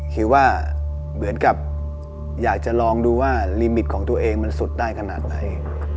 คือว่าเหมือนกับอยากจะลองดูว่าลิมิตของตัวเองมันสุดได้ขนาดไหน